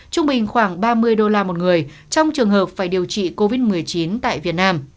trung bình khoảng ba mươi đô la một người trong trường hợp phải điều trị covid một mươi chín tại việt nam